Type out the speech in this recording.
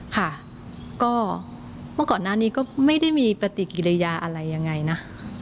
ค่ะก็เมื่อก่อนหน้านี้ก็ไม่ได้มีปฏิกิริยาอะไรยังไงนะ